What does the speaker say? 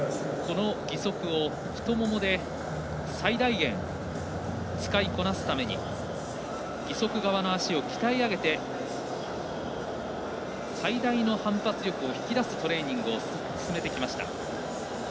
義足を太ももで最大限、使いこなすために義足側の足を鍛え上げて最大の反発力を引き出すトレーニングを進めてきました。